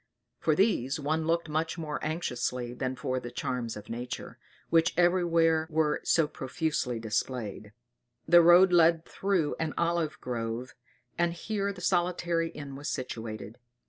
For these one looked much more anxiously than for the charms of nature, which every where were so profusely displayed. The road led through an olive grove, and here the solitary inn was situated.